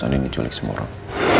andien diculik semua orang